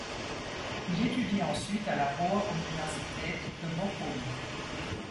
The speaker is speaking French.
Il étudie ensuite à la Ruhr-Universität de Bochum.